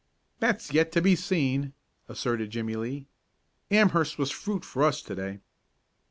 "That's yet to be seen," asserted Jimmie Lee. "Amherst was fruit for us to day."